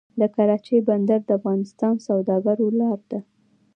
د کراچۍ بندر د افغان سوداګرو لاره ده